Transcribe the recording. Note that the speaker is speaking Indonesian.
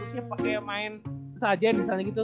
siap pake main sesajen misalnya gitu